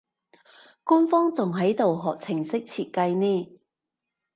官方仲喺度學程式設計呢